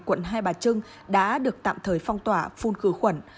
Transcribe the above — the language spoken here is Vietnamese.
quận hai bà trưng đã được tạm thời phong tỏa phun khử khuẩn